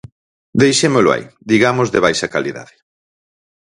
Deixémolo aí, digamos de baixa calidade.